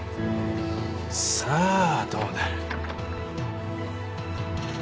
さあどうなる？